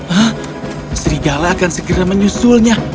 hah serigala akan segera menyusulnya